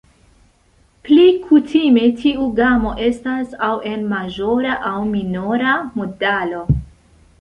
Plej kutime, tiu gamo estas aŭ en maĵora aŭ minora modalo.